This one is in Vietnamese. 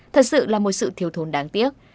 thật sự là một sự thiếu thốn đáng tiếc